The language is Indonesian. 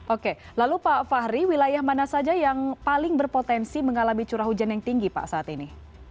oke lalu pak fahri wilayah mana saja yang paling berpotensi mengalami curah hujan yang tinggi pak saat ini